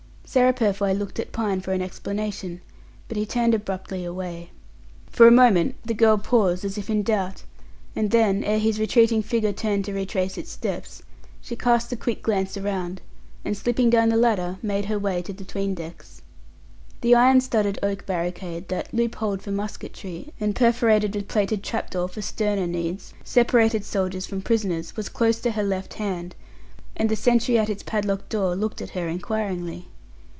Sarah Purfoy looked at Pine for an explanation, but he turned abruptly away. For a moment the girl paused, as if in doubt; and then, ere his retreating figure turned to retrace its steps, she cast a quick glance around, and slipping down the ladder, made her way to the 'tween decks. The iron studded oak barricade that, loop holed for musketry, and perforated with plated trapdoor for sterner needs, separated soldiers from prisoners, was close to her left hand, and the sentry at its padlocked door looked at her inquiringly.